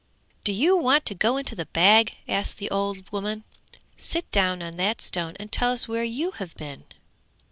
'Do you want to go into the bag?' asked the old woman. 'Sit down on that stone and tell us where you have been.'